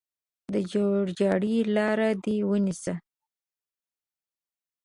د جوړجاړي لاره دې ونیسي.